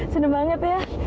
senang banget ya